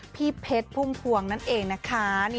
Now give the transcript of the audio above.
พี่เพชรพุ่มพวงนั่นเองนะคะ